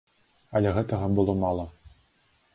Але гэтага было мала.